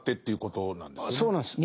そうなんです。